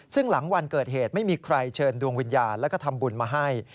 ซึ่งหลังวันเกิดเหตุไม่มีใครเชิญดวงวิญญาณแล้วก็ทำบุญมาให้